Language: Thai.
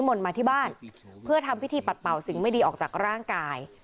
มนต์มาที่บ้านเพื่อทำพิธีปัดเป่าสิ่งไม่ดีออกจากร่างกาย